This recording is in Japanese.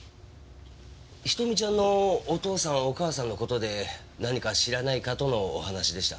瞳ちゃんのお父さんお母さんの事で何か知らないかとのお話でした。